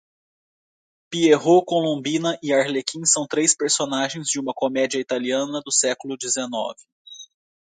Pierrot, Colombina e Arlequim são três personagens de uma comédia italiana do século dezenove.